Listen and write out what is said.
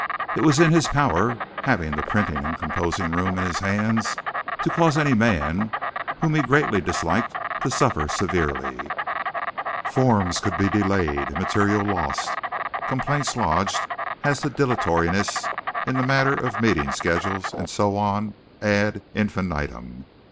It was in his power, having the printing and composing room in his hands, to cause any man whom he greatly disliked to suffer severely. Forms could be delayed, material lost, complaints lodged as to dilatoriness in the matter of meeting schedules, and so on, ad infinitum.